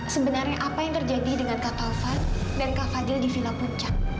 sebenarnya apa yang terjadi dengan kakal fun dan kak fadil di villa puncak